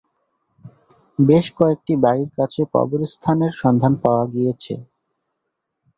বেশ কয়েকটি বাড়ির কাছে কবরস্থানের সন্ধান পাওয়া গিয়েছে।